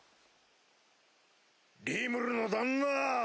リムルの旦那！